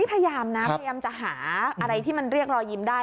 พยายามนะพยายามจะหาอะไรที่มันเรียกรอยยิ้มได้